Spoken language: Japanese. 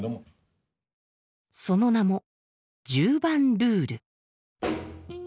その名も「十番ルール」。